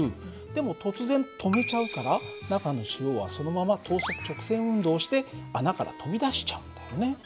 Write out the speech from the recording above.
でも突然止めちゃうから中の塩はそのまま等速直線運動をして穴から飛び出しちゃうんだよね。